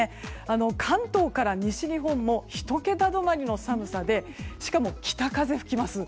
関東から西日本も１桁止まりの寒さでしかも北風が吹きます。